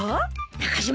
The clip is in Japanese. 中島